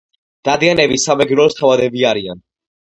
დადიანები სამეგრელოს თავადები არიან